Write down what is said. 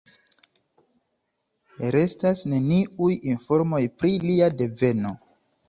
Restas neniuj informoj pri lia deveno.